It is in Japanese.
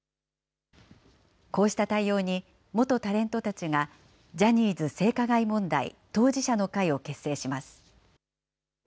こうした対応に、元タレントたちがジャニーズ性加害問題当事者の会を結成します。